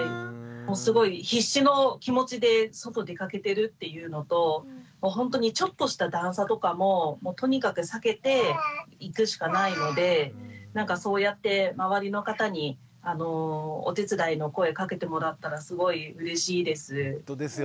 もうすごい必死の気持ちで外出かけてるっていうのともうほんとにちょっとした段差とかもとにかく避けて行くしかないのでなんかそうやって周りの方にお手伝いの声かけてもらったらすごいうれしいです。